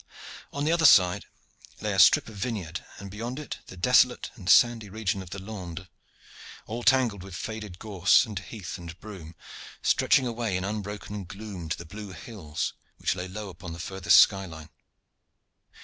On the other side lay a strip of vineyard, and beyond it the desolate and sandy region of the Landes, all tangled with faded gorse and heath and broom, stretching away in unbroken gloom to the blue hills which lay low upon the furthest sky line.